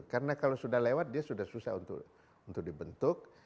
karena kalau sudah lewat dia sudah susah untuk dibentuk